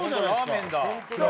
ラーメンだ。